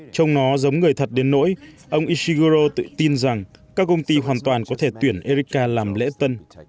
trông nó giống người thật đến nỗi ông ishiguro tự tin rằng các công ty hoàn toàn có thể tuyển erika làm lễ tân